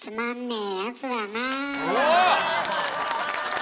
えすごい！